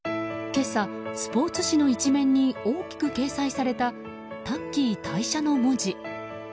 今朝、スポーツ紙の一面に大きく掲載されたタッキー退社の文字。